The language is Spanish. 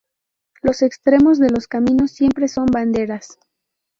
Los extremos de los caminos siempre son banderas.